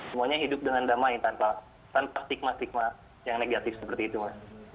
semuanya hidup dengan damai tanpa stigma stigma yang negatif seperti itu mas